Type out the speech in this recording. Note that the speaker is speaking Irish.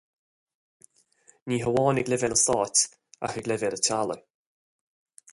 Ní hamháin ag leibhéal an Stáit ach ag leibhéal an teaghlaigh.